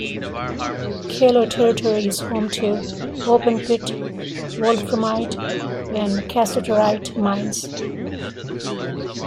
Kailo Territory is home to open pit wolframite and Cassiterite mines.